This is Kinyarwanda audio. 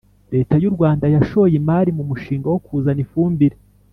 leta y'u rwanda yashoye imari mu mushinga wo kuzana ifumbire